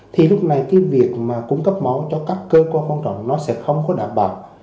thì lúc này cái việc mà cung cấp máu cho các cơ quan quan trọng nó sẽ không có đảm bảo